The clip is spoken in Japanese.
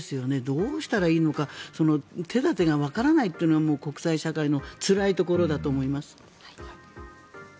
どうしたらいいのか手立てがわからないというのが国際社会のつらいところだと思います。